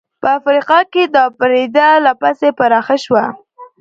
په افریقا کې دا پدیده لا پسې پراخه شوه.